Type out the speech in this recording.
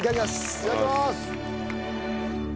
いただきます。